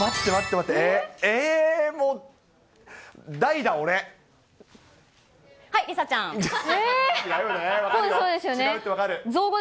違うって分かる。